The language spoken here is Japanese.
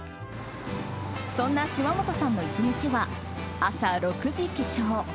そんな島本さんの１日は朝６時起床。